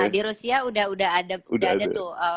di rusia udah ada tuh